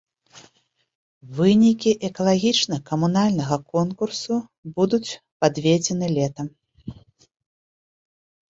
Вынікі экалагічна-камунальнага конкурсу будуць падведзены летам.